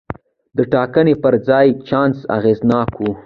د ټاکنې پر ځای چانس اغېزناک وي.